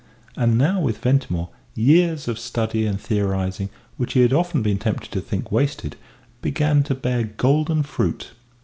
And now with Ventimore years of study and theorising which he had often been tempted to think wasted began to bear golden fruit.